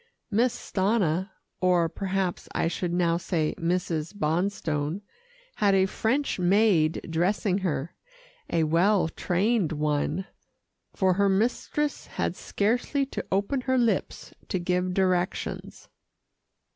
Miss Stanna, or perhaps I should now say Mrs. Bonstone, had a French maid dressing her a well trained one, for her mistress had scarcely to open her lips to give directions.